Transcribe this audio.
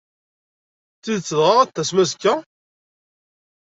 D tidet dɣa, ad d-tasem azekka?